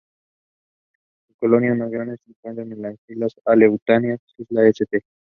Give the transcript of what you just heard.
Sus colonias más grandes se encuentran en la islas Aleutianas, isla St.